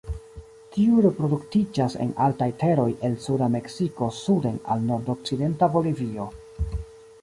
Tiu reproduktiĝas en altaj teroj el suda Meksiko suden al nordokcidenta Bolivio.